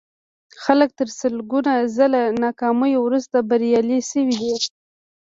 خلک تر سلګونه ځله ناکاميو وروسته بريالي شوي دي.